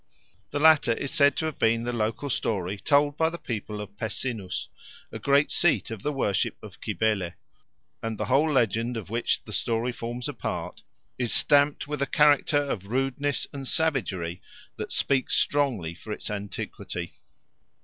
The latter is said to have been the local story told by the people of Pessinus, a great seat of the worship of Cybele, and the whole legend of which the story forms a part is stamped with a character of rudeness and savagery that speaks strongly for its antiquity.